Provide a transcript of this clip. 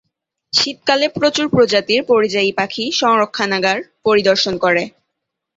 শীতকালে প্রচুর প্রজাতির পরিযায়ী পাখি সংরক্ষণাগার পরিদর্শন করে।